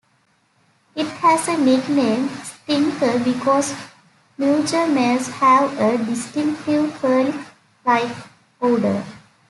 It has a nickname "stinker" because mature males have a distinctive curry-like odour.